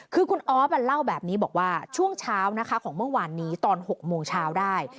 คือคุณออฟเล่าแบบนี้บอกว่าช่วงเช้านะคะของเมื่อวานนี้ตอน๖โมงเช้าได้